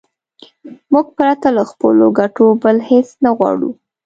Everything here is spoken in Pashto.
موږ پرته له خپلو ګټو بل هېڅ نه غواړو.